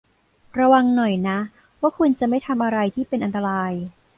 ระวังหน่อยนะว่าคุณจะไม่ทำอะไรที่เป็นอันตราย